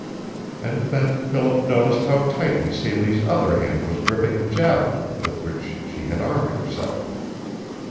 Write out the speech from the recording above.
And then Philip noticed how tightly Celie's other hand was gripping the javelin with which she had armed herself.